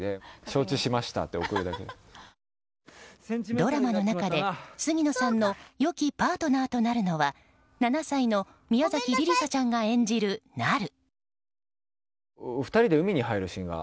ドラマの中で杉野さんの良きパートナーとなるのは７歳の宮崎莉里沙ちゃんが演じるなる。